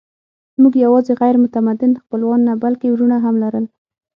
موږ یواځې غیر متمدن خپلوان نه، بلکې وروڼه هم لرل.